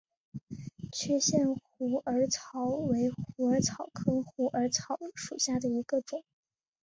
区限虎耳草为虎耳草科虎耳草属下的一个种。